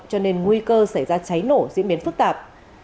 cho nên nguy cơ xảy ra cháy nổ diễn biến phức tạp